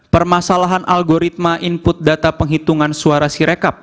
permasalahan algoritma input data penghitungan suara sirekap